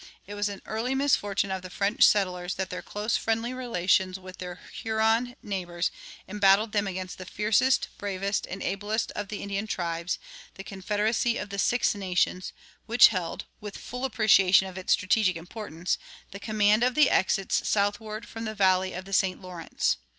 It was an early misfortune of the French settlers that their close friendly relations with their Huron neighbors embattled against them the fiercest, bravest, and ablest of the Indian tribes, the confederacy of the Six Nations, which held, with full appreciation of its strategic importance, the command of the exits southward from the valley of the St. Lawrence.